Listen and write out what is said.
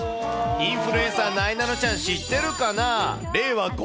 インフルエンサー、なえなのちゃん、知ってるかな？